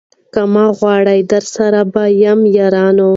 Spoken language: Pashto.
که ما غواړی درسره به یم یارانو